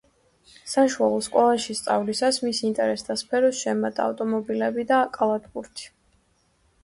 საშუალო სკოლაში სწავლისას მის ინტერესთა სფეროს შეემატა ავტომობილები და კალათბურთი.